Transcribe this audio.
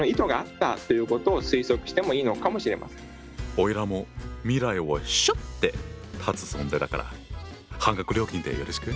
おいらも未来をしょって立つ存在だから半額料金でよろしく。